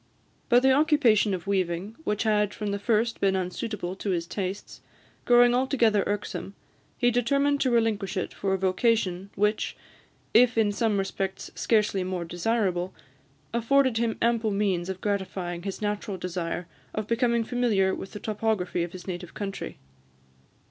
But the occupation of weaving, which had from the first been unsuitable to his tastes, growing altogether irksome, he determined to relinquish it for a vocation which, if in some respects scarcely more desirable, afforded him ample means of gratifying his natural desire of becoming familiar with the topography of his native country.